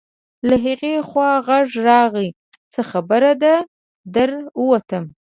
له هغې خوا غږ راغی: څه خبره ده، در ووتم.